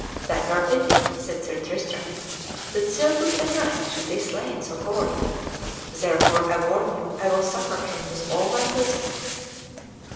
"That were pity," said Sir Tristram, "that so good a knight should be slain so cowardly; therefore I warn you I will succor him with all my puissance."